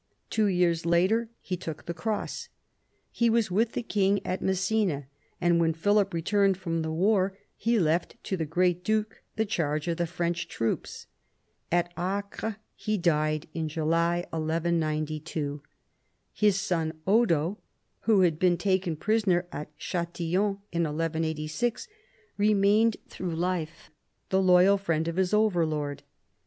Two years later he took the cross. He was with the king at Messina, and when Philip returned from thenar he left to the great duke the charge of the French troops. At Acre he died in July 1192. His son Odo, who had been taken prisoner at Chatillon in 1186, remained through life the loyal friend of his overlord.